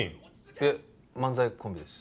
いえ漫才コンビです。